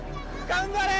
頑張れ！